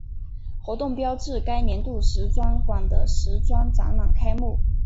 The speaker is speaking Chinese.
活动标志该年度时装馆的时装展览开幕。